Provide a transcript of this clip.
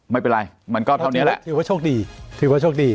ไม่เป็นไรมันก็เท่านี้แล้วถือว่าโชคดี